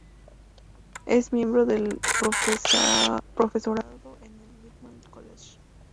Es miembro del profesorado en el Whitman College.